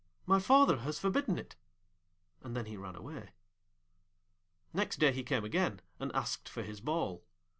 'My father has forbidden it,' and then he ran away. Next day he came again, and asked for his ball.